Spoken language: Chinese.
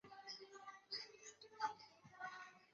各年度的使用人数如下表。